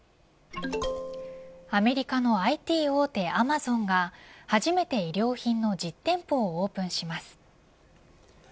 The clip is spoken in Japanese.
アメリカのＩＴ大手アマゾンが初めて衣料品の実店舗をオープンします。